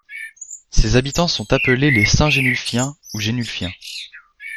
Ses habitants sont appelés les Saint-Genulphiens ou Genulphiens.